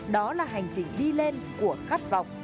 đó là hành trình đi lên của khát vọng